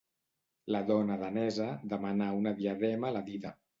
La dona danesa demanà una diadema a la dida.